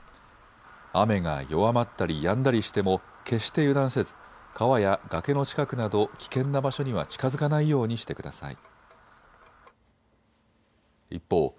雨が弱まったりやんだりしても決して油断せず川や崖の近くなど危険な場所には近づかないようにしてください。